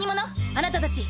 あなたたち！